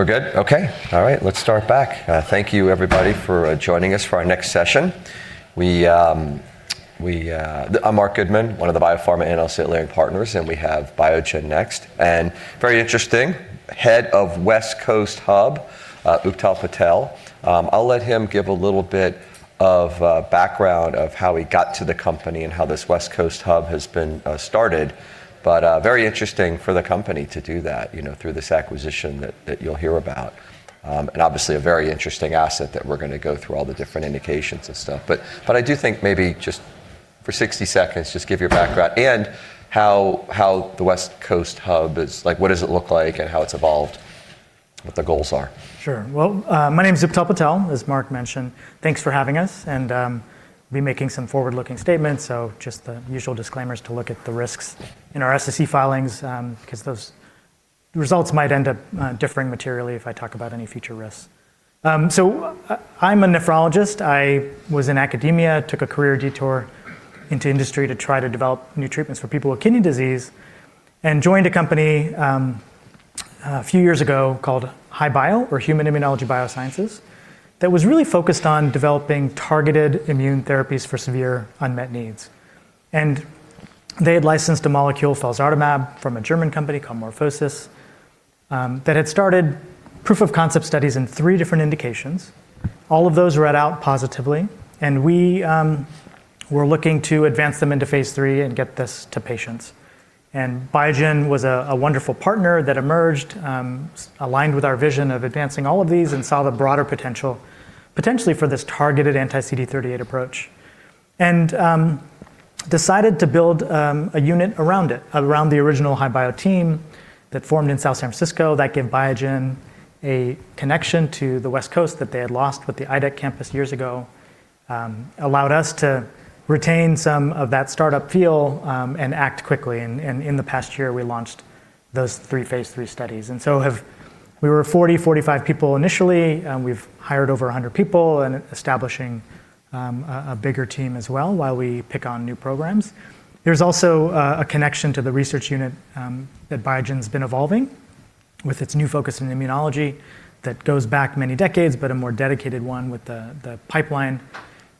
We're good? Okay. All right. Let's start back. Thank you everybody for joining us for our next session. I'm Marc Goodman, one of the biopharma analysts at Leerink Partners, and we have Biogen next. Very interesting, Head of West Coast Hub, Utpal Patel. I'll let him give a little bit of background of how he got to the company and how this West Coast Hub has been started. Very interesting for the company to do that, you know, through this acquisition that you'll hear about. Obviously a very interesting asset that we're gonna go through all the different indications and stuff. I do think maybe just for 60 seconds, just give your background and how the West Coast Hub is. Like, what does it look like and how it's evolved, what the goals are. Sure. Well, my name is Utpal Patel, as Marc mentioned. Thanks for having us. We'll be making some forward-looking statements, so just the usual disclaimers to look at the risks in our SEC filings, because those results might end up differing materially if I talk about any future risks. I'm a nephrologist. I was in academia, took a career detour into industry to try to develop new treatments for people with kidney disease, and joined a company a few years ago called HI-Bio, or Human Immunology Biosciences, that was really focused on developing targeted immune therapies for severe unmet needs. They had licensed a molecule, felzartamab, from a German company called MorphoSys, that had started proof-of-concept studies in three different indications. All of those read out positively, and we were looking to advance them into phase III and get this to patients. Biogen was a wonderful partner that emerged, aligned with our vision of advancing all of these and saw the broader potential, potentially for this targeted anti-CD38 approach. Decided to build a unit around it, around the original HI-Bio team that formed in South San Francisco that gave Biogen a connection to the West Coast that they had lost with the IDEC campus years ago, allowed us to retain some of that startup feel, and act quickly. In the past year, we launched those three phase III studies. We were 45 people initially, and we've hired over 100 people, and establishing a bigger team as well while we pick up new programs. There's also a connection to the research unit that Biogen's been evolving with its new focus in immunology that goes back many decades, but a more dedicated one with the pipeline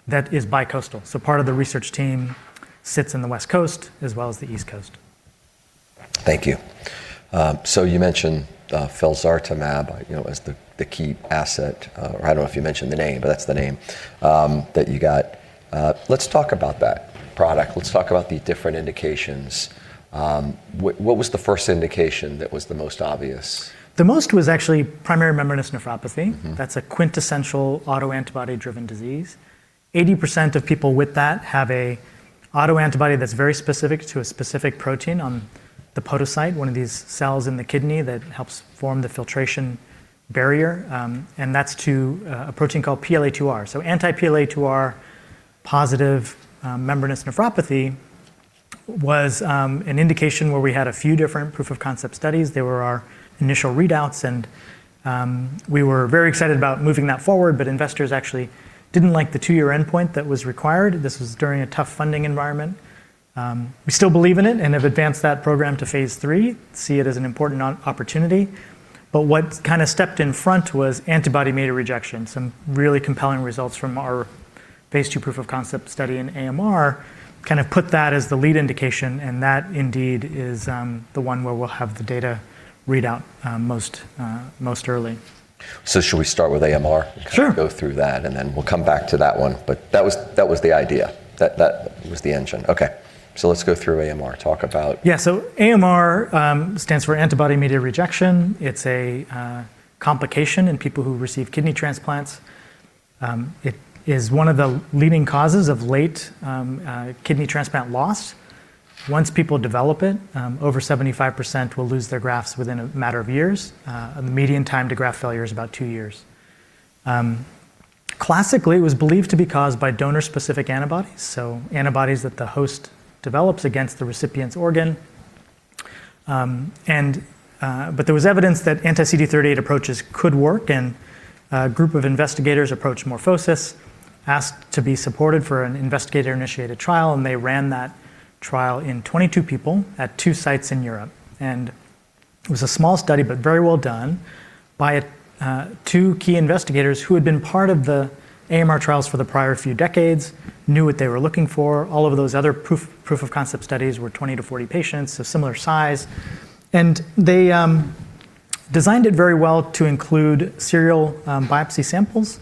that is bicoastal. Part of the research team sits in the West Coast as well as the East Coast. Thank you. You mentioned felzartamab, you know, as the key asset, or I don't know if you mentioned the name, but that's the name that you got. Let's talk about that product. Let's talk about the different indications. What was the first indication that was the most obvious? The most was actually primary membranous nephropathy. Mm-hmm. That's a quintessential autoantibody-driven disease. 80% of people with that have an autoantibody that's very specific to a specific protein on the podocyte, one of these cells in the kidney that helps form the filtration barrier, and that's to a protein called PLA2R. Anti-PLA2R positive membranous nephropathy was an indication where we had a few different proof-of-concept studies. They were our initial readouts, and we were very excited about moving that forward, but investors actually didn't like the two-year endpoint that was required. This was during a tough funding environment. We still believe in it and have advanced that program to phase III, see it as an important opportunity. What kind of stepped in front was antibody-mediated rejection. Some really compelling results from our phase II proof-of-concept study in AMR kind of put that as the lead indication, and that indeed is the one where we'll have the data readout most early. Should we start with AMR? Sure. Kind of go through that, and then we'll come back to that one. That was the idea. That was the engine. Okay. Let's go through AMR. Talk about. Yeah. AMR stands for antibody-mediated rejection. It's a complication in people who receive kidney transplants. It is one of the leading causes of late kidney transplant loss. Once people develop it, over 75% will lose their grafts within a matter of years. The median time to graft failure is about two years. Classically, it was believed to be caused by donor-specific antibodies, so antibodies that the host develops against the recipient's organ. There was evidence that anti-CD38 approaches could work, and a group of investigators approached MorphoSys, asked to be supported for an investigator-initiated trial, and they ran that trial in 22 people at two sites in Europe. It was a small study, but very well done by two key investigators who had been part of the AMR trials for the prior few decades, knew what they were looking for. All of those other proof-of-concept studies were 20-40 patients, so similar size. They designed it very well to include serial biopsy samples.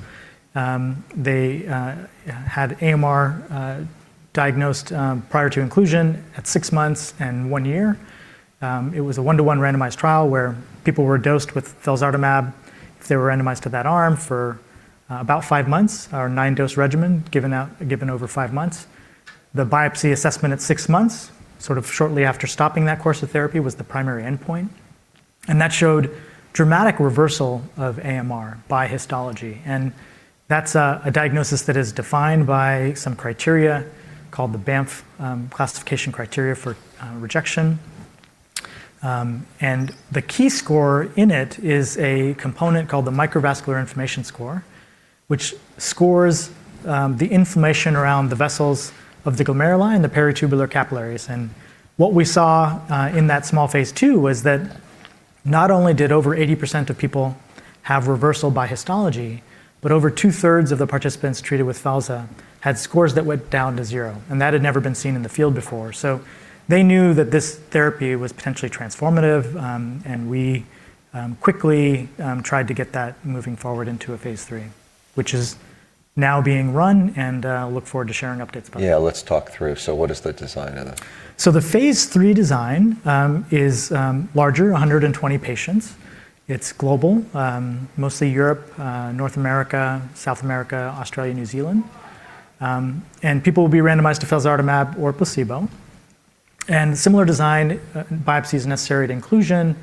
They had AMR diagnosed prior to inclusion at six months and one year. It was a one-to-one randomized trial where people were dosed with felzartamab if they were randomized to that arm for about five months or a nine-dose regimen given over five months. The biopsy assessment at six months, sort of shortly after stopping that course of therapy, was the primary endpoint, and that showed dramatic reversal of AMR by histology, and that's a diagnosis that is defined by some criteria called the Banff classification criteria for rejection. The key score in it is a component called the microvascular inflammation score, which scores the inflammation around the vessels of the glomeruli and the peritubular capillaries. What we saw in that small phase II was that not only did over 80% of people have reversal by histology, but over 2/3 of the participants treated with felzartamab had scores that went down to zero, and that had never been seen in the field before. They knew that this therapy was potentially transformative, and we quickly tried to get that moving forward into a phase III, which is now being run and look forward to sharing updates about. Yeah, let's talk through. What is the design of that? The phase III design is larger, 120 patients. It's global, mostly Europe, North America, South America, Australia, New Zealand. People will be randomized to felzartamab or placebo. Similar design, biopsies necessary to inclusion.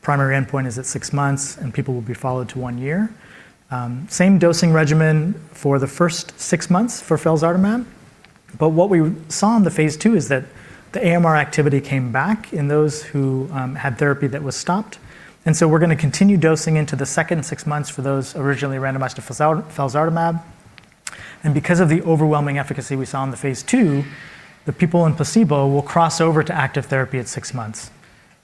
Primary endpoint is at six months, and people will be followed to one year. Same dosing regimen for the first six months for felzartamab, but what we saw in phase II is that the AMR activity came back in those who had therapy that was stopped, and so we're gonna continue dosing into the second six months for those originally randomized to felzartamab. Because of the overwhelming efficacy we saw in phase II, the people in placebo will cross over to active therapy at six months.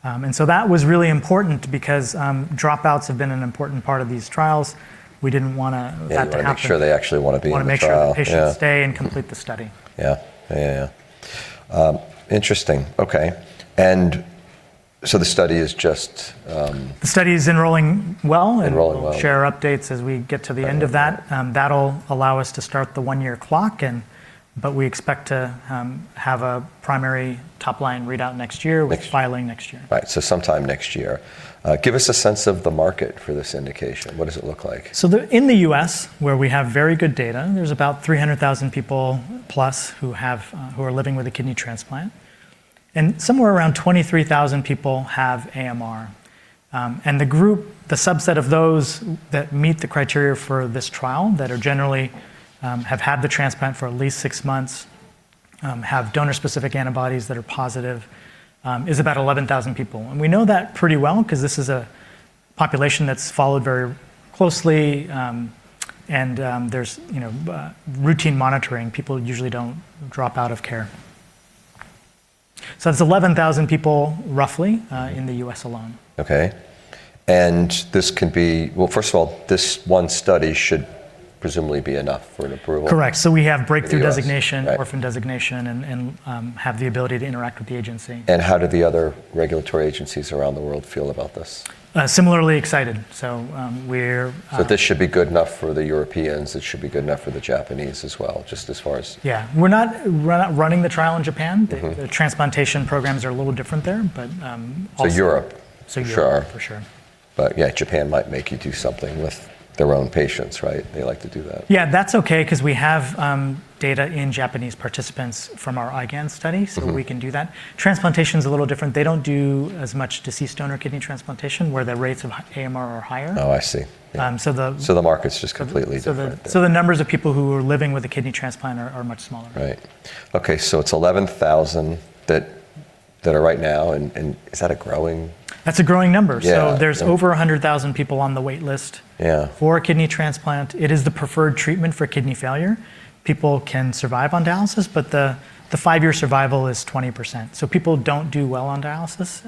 That was really important because dropouts have been an important part of these trials. We didn't want that to happen. They wanna make sure they actually wanna be in the trial. Yeah. Wanna make sure the patients stay and complete the study. Yeah. Interesting. Okay. The study is just. The study is enrolling well. Enrolling well. We'll share updates as we get to the end of that. That'll allow us to start the one-year clock, but we expect to have a primary top line readout next year. Which- With filing next year. Right. Sometime next year. Give us a sense of the market for this indication. What does it look like? In the U.S., where we have very good data, there's about 300,000 people plus who are living with a kidney transplant, and somewhere around 23,000 people have AMR. The group, the subset of those that meet the criteria for this trial that are generally have had the transplant for at least six months have donor-specific antibodies that are positive is about 11,000 people. We know that pretty well 'cause this is a population that's followed very closely, and there's you know routine monitoring. People usually don't drop out of care. It's 11,000 people roughly in the U.S. alone. Okay. Well, first of all, this one study should presumably be enough for an approval? Correct. We have breakthrough In the U.S. designation. Right... Orphan designation, and have the ability to interact with the agency. How do the other regulatory agencies around the world feel about this? Similarly excited. This should be good enough for the Europeans. It should be good enough for the Japanese as well, just as far as. Yeah. We're not running the trial in Japan. Mm-hmm. The transplantation programs are a little different there. Europe. Europe. For sure. For sure. Yeah, Japan might make you do something with their own patients, right? They like to do that. Yeah. That's okay, 'cause we have data in Japanese participants from our IGNAZ study. Mm-hmm We can do that. Transplantation's a little different. They don't do as much deceased donor kidney transplantation, where the rates of AMR are higher. Oh, I see. Um, so the- The market's just completely different. The numbers of people who are living with a kidney transplant are much smaller. Right. Okay. It's 11,000 that are right now and is that a growing- That's a growing number. Yeah. There's over 100,000 people on the wait list. Yeah For a kidney transplant. It is the preferred treatment for kidney failure. People can survive on dialysis, but the five-year survival is 20%, so people don't do well on dialysis,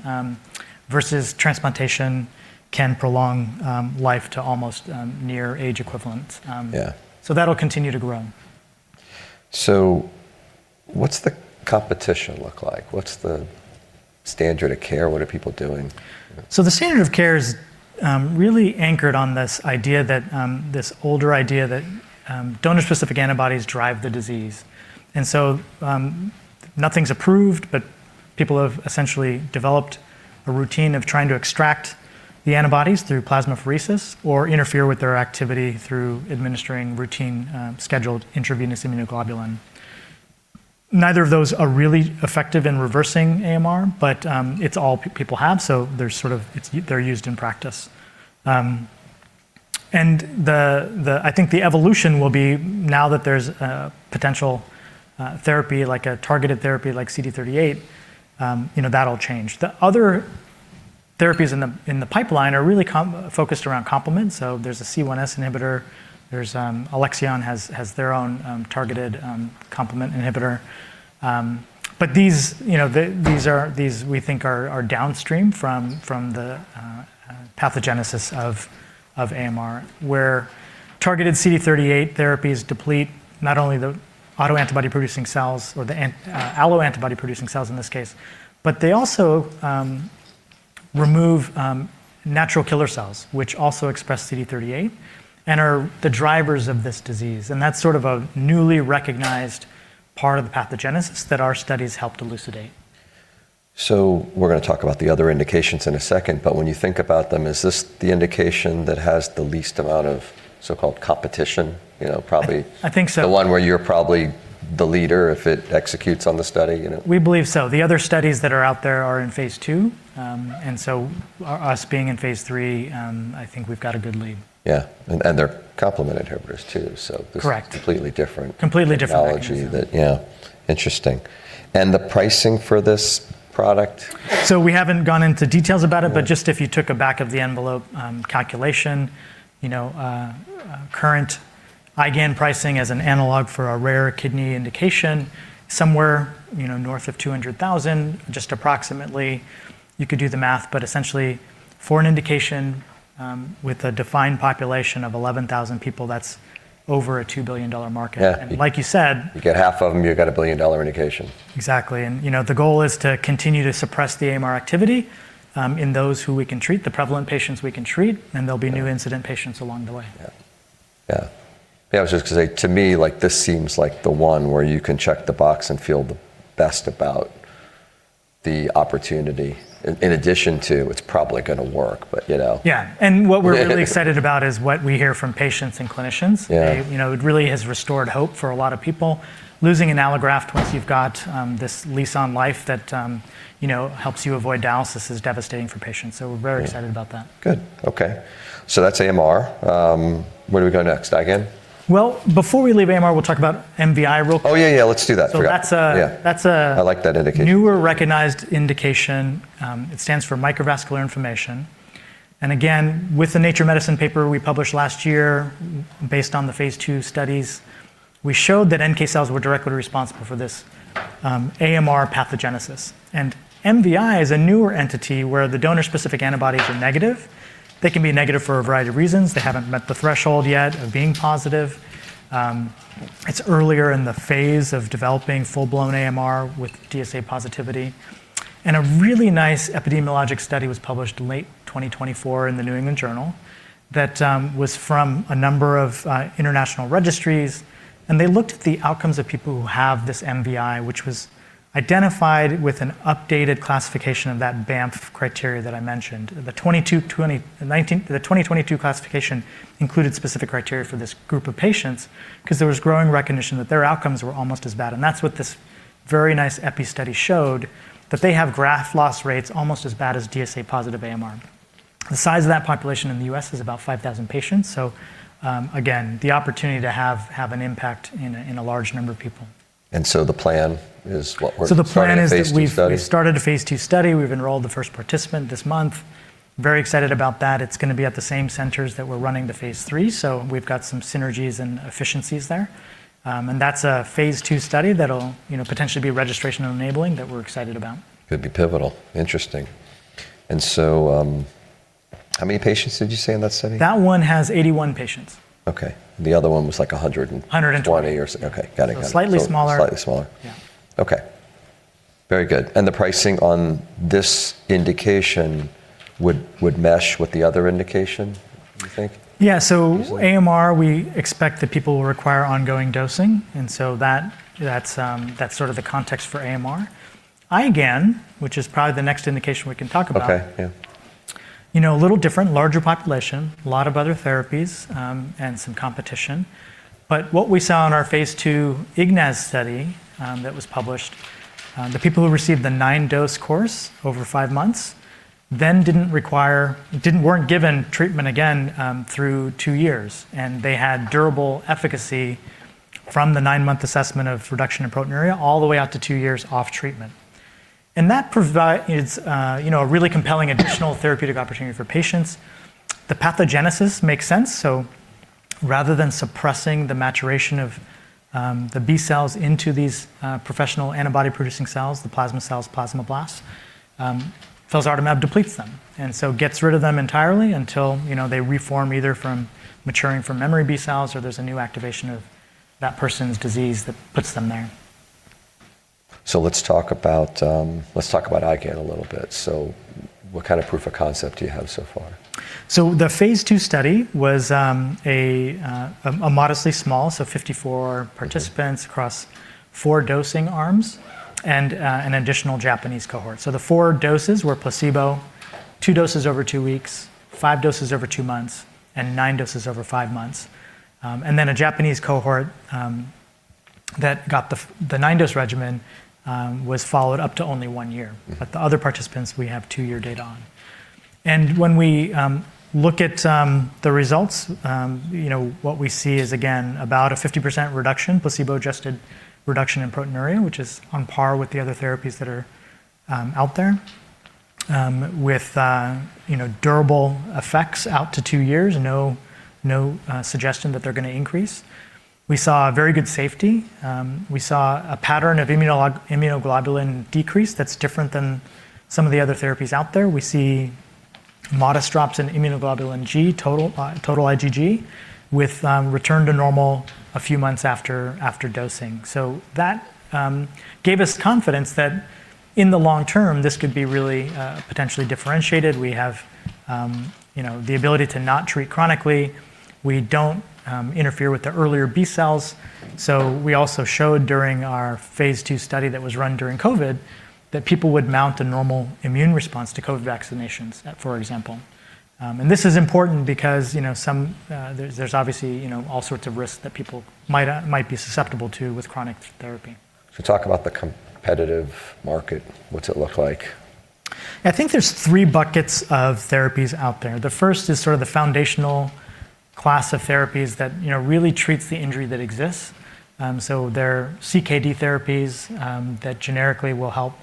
versus transplantation can prolong life to almost near age equivalent. Yeah That'll continue to grow. What's the competition look like? What's the standard of care? What are people doing? The standard of care is really anchored on this older idea that donor-specific antibodies drive the disease. Nothing's approved, but people have essentially developed a routine of trying to extract the antibodies through plasmapheresis or interfere with their activity through administering routinely scheduled intravenous immunoglobulin. Neither of those are really effective in reversing AMR, but it's all people have, so they're sort of used in practice. I think the evolution will be now that there's a potential therapy, like a targeted therapy like CD38, you know, that'll change. The other therapies in the pipeline are really complement-focused around complements. There's a C1s inhibitor. Alexion has their own targeted complement inhibitor. These you know are downstream from the pathogenesis of AMR, where targeted CD38 therapies deplete not only the autoantibody-producing cells or the alloantibody-producing cells in this case, but they also remove natural killer cells, which also express CD38 and are the drivers of this disease. That's sort of a newly recognized part of the pathogenesis that our studies helped elucidate. We're gonna talk about the other indications in a second, but when you think about them, is this the indication that has the least amount of so-called competition, you know, probably? I think so. the one where you're probably the leader if it executes on the study, you know? We believe so. The other studies that are out there are in phase II. Us being in phase III, I think we've got a good lead. They're complement inhibitors too, so this- Correct completely different. Completely different. Yeah. Interesting. The pricing for this product? We haven't gone into details about it. Yeah Just if you took a back-of-the-envelope calculation, you know, current IgAN pricing as an analog for a rare kidney indication somewhere, you know, north of $200,000, just approximately. You could do the math, but essentially for an indication with a defined population of 11,000 people, that's over a $2 billion market. Yeah. Like you said. You get half of them, you've got a billion-dollar indication. Exactly. You know, the goal is to continue to suppress the AMR activity in those who we can treat, the prevalent patients we can treat, and there'll be new incident patients along the way. Yeah, I was just gonna say, to me, like this seems like the one where you can check the box and feel the best about the opportunity in addition to it's probably gonna work, but, you know. Yeah. What we're really excited about is what we hear from patients and clinicians. Yeah. You know, it really has restored hope for a lot of people. Losing an allograft once you've got this lease on life that you know helps you avoid dialysis is devastating for patients. We're very excited about that. Good. Okay. That's AMR. Where do we go next? IgAN? Well, before we leave AMR, we'll talk about MVI real quick. Yeah, let's do that. Forgot. So that's a- Yeah. That's a- I like that indication. Newer recognized indication. It stands for microvascular inflammation. Again, with the Nature Medicine paper we published last year based on the phase II studies, we showed that NK cells were directly responsible for this, AMR pathogenesis. MVI is a newer entity where the donor-specific antibodies are negative. They can be negative for a variety of reasons. They haven't met the threshold yet of being positive. It's earlier in the phase of developing full-blown AMR with DSA positivity. A really nice epidemiologic study was published in late 2024 in The New England Journal that was from a number of international registries, and they looked at the outcomes of people who have this MVI, which was identified with an updated classification of that Banff criteria that I mentioned. The 2022 classification included specific criteria for this group of patients 'cause there was growing recognition that their outcomes were almost as bad, and that's what this very nice epi study showed, that they have graft loss rates almost as bad as DSA-positive AMR. The size of that population in the U.S. is about 5,000 patients, so again, the opportunity to have an impact in a large number of people. The plan is what? We're starting a phase II study. The plan is that we've started a phase II study. We've enrolled the first participant this month. Very excited about that. It's gonna be at the same centers that we're running the phase III. We've got some synergies and efficiencies there. That's a phase II study that'll, you know, potentially be registration enabling that we're excited about. Could be pivotal. Interesting. How many patients did you say in that study? That one has 81 patients. Okay. The other one was like 100. 120 20 or so. Okay. Got it. slightly smaller. Slightly smaller. Yeah. Okay. Very good. The pricing on this indication would mesh with the other indication, you think? Yeah. AMR, we expect that people will require ongoing dosing, and so that's sort of the context for AMR. IgAN, which is probably the next indication we can talk about. Okay. Yeah. You know, a little different, larger population, a lot of other therapies, and some competition. What we saw in our phase II IGNAZ study, that was published, the people who received the nine-dose course over five months then weren't given treatment again, through two years, and they had durable efficacy from the nine-month assessment of reduction in proteinuria all the way out to two years off treatment. That is, you know, a really compelling additional therapeutic opportunity for patients. The pathogenesis makes sense, so rather than suppressing the maturation of, the B cells into these, professional antibody-producing cells, the plasma cells, plasmablasts, felzartamab depletes them. Gets rid of them entirely until, you know, they reform either from maturing from memory B cells or there's a new activation of that person's disease that puts them there. Let's talk about IgAN a little bit. What kind of proof of concept do you have so far? The phase II study was a modestly small, 54 participants across four dosing arms and an additional Japanese cohort. The four doses were placebo, two doses over two weeks, five doses over two months, and nine doses over five months. A Japanese cohort that got the nine-dose regimen was followed up to only one year. The other participants, we have two-year data on. When we look at the results, you know, what we see is again about a 50% reduction, placebo-adjusted reduction in proteinuria, which is on par with the other therapies that are out there with, you know, durable effects out to two years. No suggestion that they're gonna increase. We saw very good safety. We saw a pattern of immunoglobulin decrease that's different than some of the other therapies out there. We see modest drops in immunoglobulin G, total IgG, with return to normal a few months after dosing. That gave us confidence that in the long term, this could be really potentially differentiated. We have you know, the ability to not treat chronically. We don't interfere with the earlier B cells. We also showed during our phase II study that was run during COVID, that people would mount a normal immune response to COVID vaccinations, for example. This is important because, you know, some, there's obviously, you know, all sorts of risks that people might be susceptible to with chronic therapy. If we talk about the competitive market, what's it look like? I think there's three buckets of therapies out there. The first is sort of the foundational class of therapies that, you know, really treats the injury that exists. There are CKD therapies that generically will help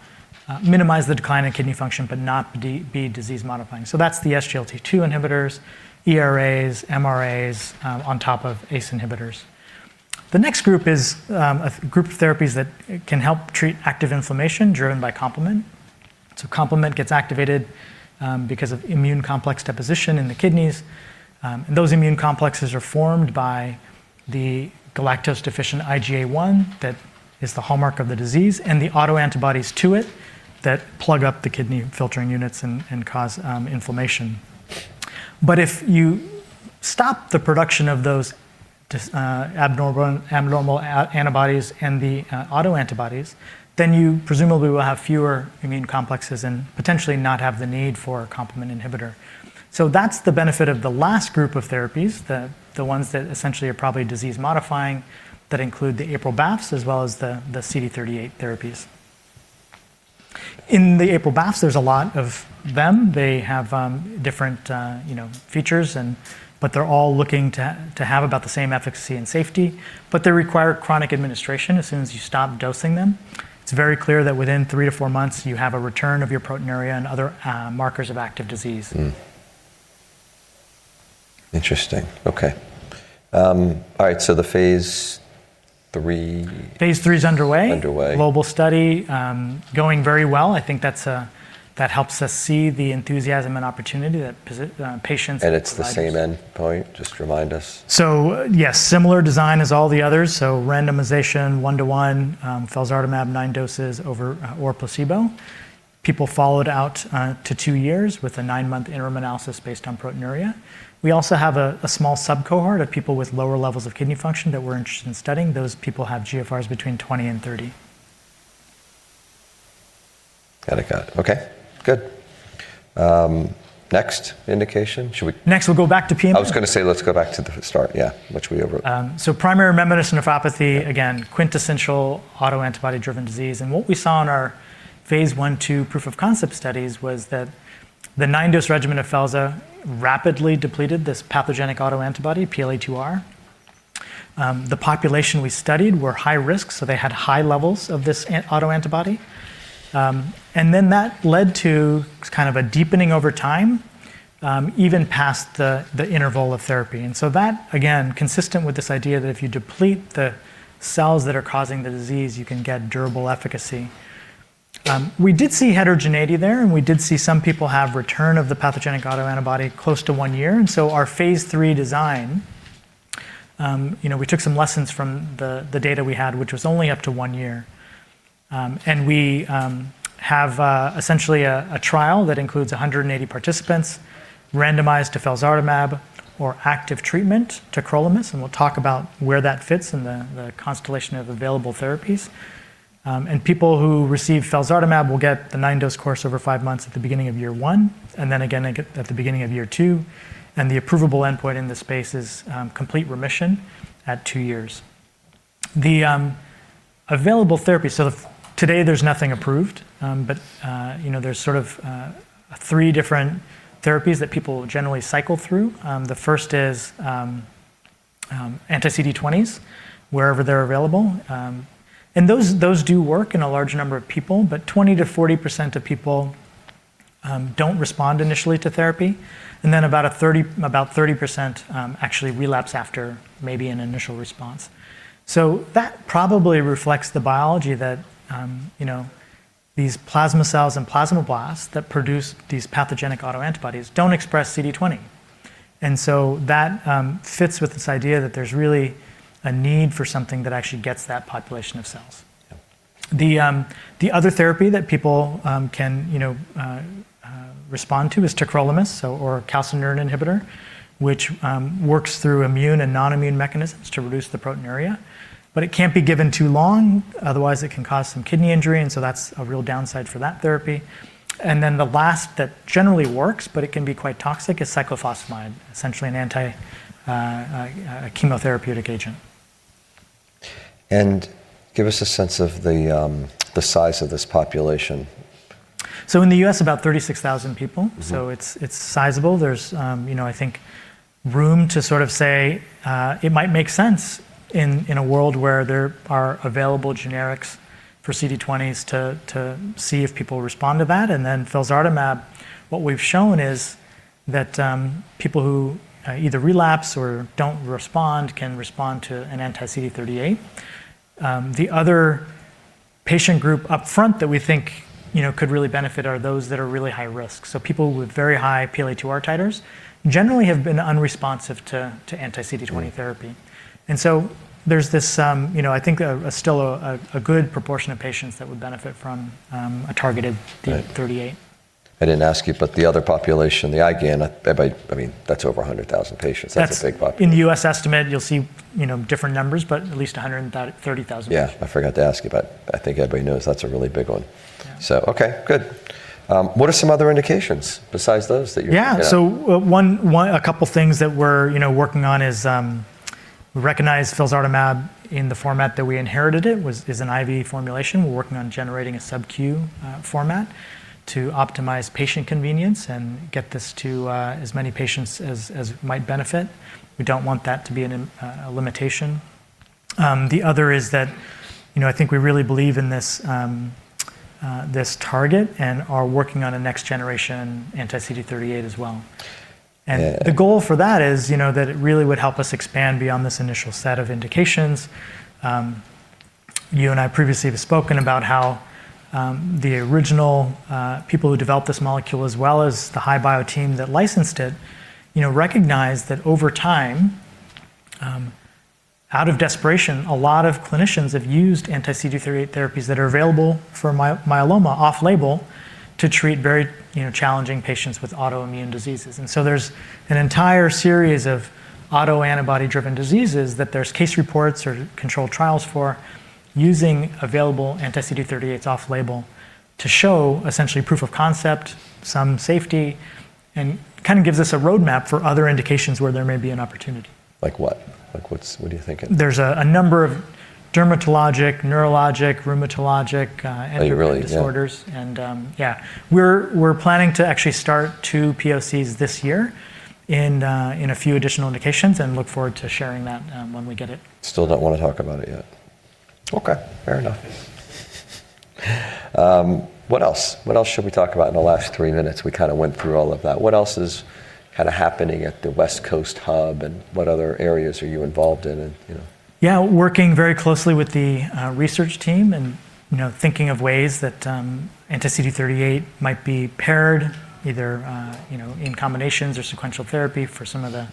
minimize the decline in kidney function but not be disease modifying. That's the SGLT2 inhibitors, ERAs, MRAs, on top of ACE inhibitors. The next group is a group of therapies that can help treat active inflammation driven by complement. Complement gets activated because of immune complex deposition in the kidneys, and those immune complexes are formed by the galactose-deficient IgA1 that is the hallmark of the disease, and the autoantibodies to it that plug up the kidney filtering units and cause inflammation. If you stop the production of those abnormal antibodies and the autoantibodies, then you presumably will have fewer immune complexes and potentially not have the need for a complement inhibitor. That's the benefit of the last group of therapies, the ones that essentially are probably disease-modifying that include the APRIL pathway as well as the CD38 therapies. In the APRIL pathway, there's a lot of them. They have different, you know, features, but they're all looking to have about the same efficacy and safety, but they require chronic administration as soon as you stop dosing them. It's very clear that within three to four months you have a return of your proteinuria and other markers of active disease. Interesting. Okay. All right, the phase III... Phase III is underway. Underway. Global study going very well. I think that helps us see the enthusiasm and opportunity that patients provide. It's the same endpoint? Just remind us. Yes, similar design as all the others. Randomization 1:1, felzartamab, nine doses, or placebo. People followed up to two years with a nine-month interim analysis based on proteinuria. We also have a small sub cohort of people with lower levels of kidney function that we're interested in studying. Those people have GFRs between 20 and 30. Got it. Okay. Good. Next indication. Should we- Next we'll go back to PMN. I was gonna say, let's go back to the start. Yeah. Which we over Primary membranous nephropathy. Yeah. Again, quintessential autoantibody driven disease. What we saw in our phase I/II proof of concept studies was that the nine-dose regimen of felzartamab rapidly depleted this pathogenic autoantibody, PLA2R. The population we studied were high risk, so they had high levels of this autoantibody. That led to kind of a deepening over time, even past the interval of therapy. That, again, consistent with this idea that if you deplete the cells that are causing the disease, you can get durable efficacy. We did see heterogeneity there, and we did see some people have return of the pathogenic autoantibody close to one year. Our phase III design, you know, we took some lessons from the data we had, which was only up to one year. We have essentially a trial that includes 180 participants randomized to felzartamab or active treatment tacrolimus, and we'll talk about where that fits in the constellation of available therapies. People who receive felzartamab will get the nine-dose course over 5 months at the beginning of year one, and then again at the beginning of year two. The approvable endpoint in this space is complete remission at two years. The available therapy. Today there's nothing approved, but you know, there's sort of three different therapies that people generally cycle through. The first is anti-CD20s wherever they're available. Those do work in a large number of people, but 20%-40% of people don't respond initially to therapy. About 30% actually relapse after maybe an initial response. That probably reflects the biology that, you know, these plasma cells and plasmablasts that produce these pathogenic autoantibodies don't express CD20. That fits with this idea that there's really a need for something that actually gets that population of cells. Yeah. The other therapy that people can, you know, respond to is tacrolimus, or calcineurin inhibitor, which works through immune and non-immune mechanisms to reduce the proteinuria. It can't be given too long, otherwise it can cause some kidney injury, and so that's a real downside for that therapy. The last that generally works, but it can be quite toxic, is cyclophosphamide, essentially a chemotherapeutic agent. Give us a sense of the size of this population. In the U.S., about 36,000 people. Mm-hmm. It's sizable. There's, you know, I think room to sort of say, it might make sense in a world where there are available generics for CD20s to see if people respond to that. Then felzartamab, what we've shown is that, people who either relapse or don't respond can respond to an anti-CD38. The other patient group upfront that we think, you know, could really benefit are those that are really high risk. People with very high PLA2R titers generally have been unresponsive to anti-CD20 therapy. Mm. There's this, you know, I think still a good proportion of patients that would benefit from a targeted CD38. Right. I didn't ask you, but the other population, the IgAN, I mean, that's over 100,000 patients. That's a big population. In the U.S. estimate, you'll see, you know, different numbers, but at least 130,000. Yeah. I forgot to ask you, but I think everybody knows that's a really big one. Yeah. Okay, good. What are some other indications besides those that you- Yeah. Yeah. A couple things that we're, you know, working on is we recognize felzartamab in the format that we inherited it is an IV formulation. We're working on generating a subcutaneous format to optimize patient convenience and get this to as many patients as might benefit. We don't want that to be a limitation. The other is that, you know, I think we really believe in this target and are working on a next generation anti-CD38 as well. Yeah. The goal for that is, you know, that it really would help us expand beyond this initial set of indications. You and I previously have spoken about how, the original, people who developed this molecule, as well as the HI-Bio team that licensed it, you know, recognized that over time, out of desperation, a lot of clinicians have used anti-CD38 therapies that are available for myeloma off-label to treat very, you know, challenging patients with autoimmune diseases. There's an entire series of autoantibody-driven diseases that there's case reports or controlled trials for using available anti-CD38s off label to show essentially Proof of Concept, some safety, and kind of gives us a roadmap for other indications where there may be an opportunity. Like what? Like, what are you thinking? There's a number of dermatologic, neurologic, rheumatologic. Are you really? Yeah.... autoimmune disorders. Yeah, we're planning to actually start two POCs this year in a few additional indications and look forward to sharing that when we get it. Still don't want to talk about it yet. Okay. Fair enough. What else? What else should we talk about in the last three minutes? We kind of went through all of that. What else is kind of happening at the West Coast Hub, and what other areas are you involved in and, you know? Yeah, working very closely with the research team and, you know, thinking of ways that anti-CD38 might be paired either, you know, in combinations or sequential therapy for some of the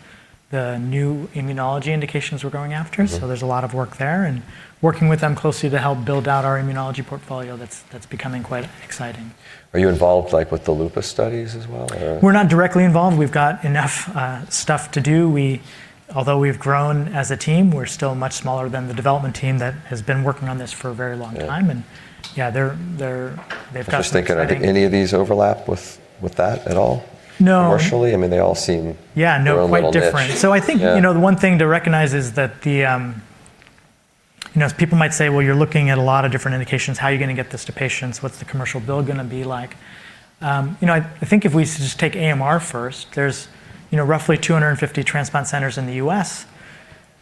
new immunology indications we're going after. Mm-hmm. There's a lot of work there and working with them closely to help build out our immunology portfolio that's becoming quite exciting. Are you involved, like, with the lupus studies as well or? We're not directly involved. We've got enough stuff to do. We, although we've grown as a team, we're still much smaller than the development team that has been working on this for a very long time. Yeah. Yeah, they've got some exciting. I'm just thinking, do any of these overlap with that at all? No. Commercially? I mean, they all seem. Yeah, no. their own little niche. quite different. Yeah. I think, you know, the one thing to recognize is that the, you know, as people might say, "Well, you're looking at a lot of different indications. How are you gonna get this to patients? What's the commercial build gonna be like?" You know, I think if we just take AMR first, there's, you know, roughly 250 transplant centers in the U.S.,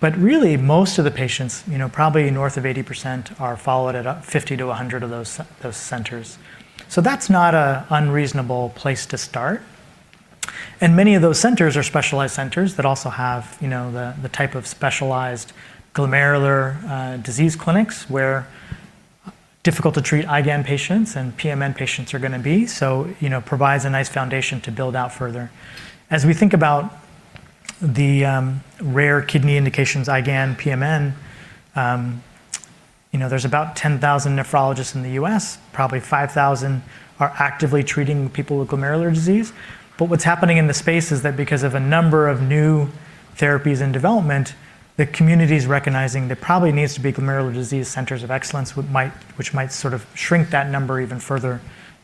but really most of the patients, you know, probably north of 80% are followed at, fifty to 100 of those those centers. That's not an unreasonable place to start. Many of those centers are specialized centers that also have, you know, the type of specialized glomerular disease clinics where difficult to treat IgAN patients and PMN patients are gonna be, so, you know, provides a nice foundation to build out further. As we think about the rare kidney indications, IgAN, PMN, you know, there's about 10,000 nephrologists in the U.S., probably 5,000 are actively treating people with glomerular disease. What's happening in the space is that because of a number of new therapies in development, the community's recognizing there probably needs to be glomerular disease centers of excellence, which might sort of shrink that number even further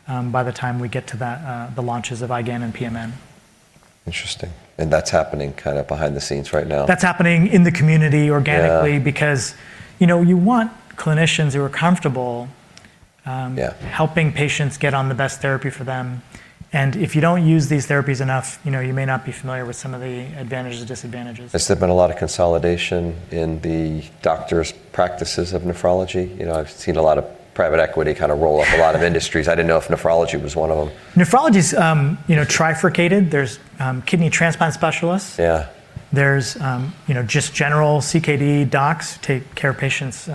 by the time we get to the launches of IgAN and PMN. Interesting. That's happening kind of behind the scenes right now. That's happening in the community organically. Yeah because, you know, you want clinicians who are comfortable. Yeah helping patients get on the best therapy for them, and if you don't use these therapies enough, you know, you may not be familiar with some of the advantages or disadvantages. Has there been a lot of consolidation in the doctors' practices of nephrology? You know, I've seen a lot of private equity kind of roll up a lot of industries. I didn't know if nephrology was one of them. Nephrology's, you know, trifurcated. There's kidney transplant specialists. Yeah. There's you know just general CKD docs take care of patients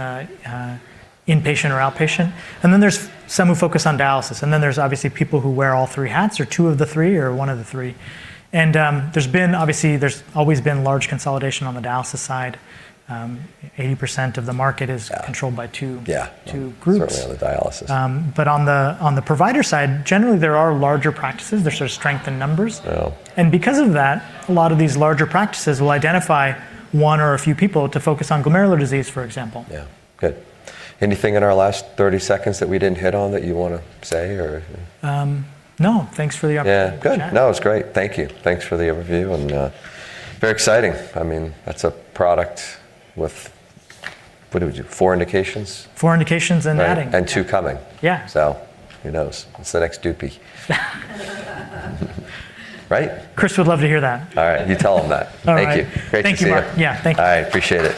inpatient or outpatient, and then there's some who focus on dialysis, and then there's obviously people who wear all three hats or two of the three or one of the three. There's always been large consolidation on the dialysis side. 80% of the market is- Yeah Controlled by two. Yeah two groups. Certainly on the dialysis. On the provider side, generally, there are larger practices. There's sort of strength in numbers. Well. Because of that, a lot of these larger practices will identify one or a few people to focus on glomerular disease, for example. Yeah. Good. Anything in our last 30 seconds that we didn't hit on that you wanna say, or? No. Thanks for the opportunity. Yeah to chat. Good. No, it was great. Thank you. Thanks for the overview, and very exciting. I mean, that's a product with, what do we do? Four indications? Four indications and adding. Right. Two coming. Yeah. Who knows? It's the next DUPIXENT. Right? Chris would love to hear that. All right. You tell him that. All right. Thank you. Great to see you. Thank you, Marc. Yeah. Thank you. All right. Appreciate it.